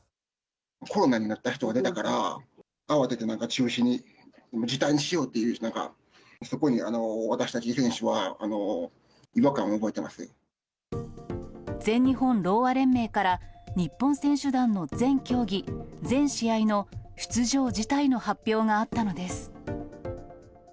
コロナになった人が出たから、慌ててなんか中止に、辞退にしようっていう、なんかそこに私たち選手は、全日本ろうあ連盟から、日本選手団の全競技・全試合の出場辞退の発表があったのです。